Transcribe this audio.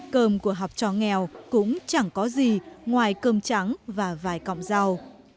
cơm của học trò nghèo cũng chẳng có gì ngoài cơm trắng và vài cọng rau